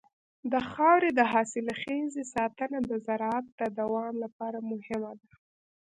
د خاورې د حاصلخېزۍ ساتنه د زراعت د دوام لپاره مهمه ده.